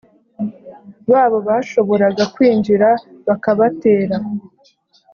babo bashoboraga kwinjira bakabatera